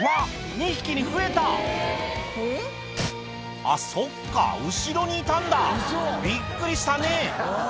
２匹に増えたあっそっか後ろにいたんだびっくりしたね